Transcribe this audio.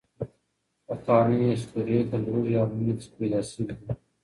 پخوانۍ اسطورې له لوږې او مړینې څخه پیدا شوې دي.